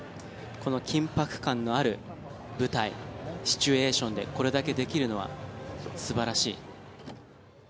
この緊迫感のある舞台シチュエーションでこれだけできるのは素晴らしい。